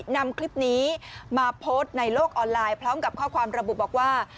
นำคลิปนี้มาโพสต์ในโลกออนไลน์พร้อมกับข้อความระบุบอกว่า